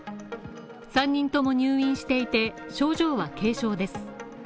３人とも入院していて、症状は軽症です。